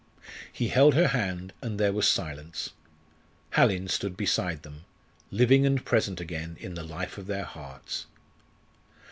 He held her hand, and there was silence. Hallin stood beside them, living and present again in the life of their hearts.